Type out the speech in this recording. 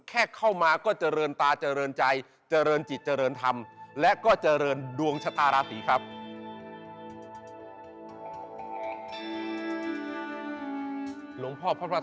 แค่เข้าก็เจริญตาเจริญใจเจริญจิตเจริญธรรม